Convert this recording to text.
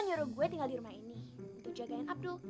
hero gue tinggal di rumah ini untuk jagain abdul